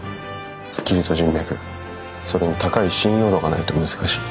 スキルと人脈それに高い信用度がないと難しい。